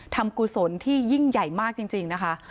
กุศลที่ยิ่งใหญ่มากจริงนะคะ